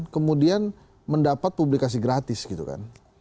kemudian mendapat publikasi gratis gitu kan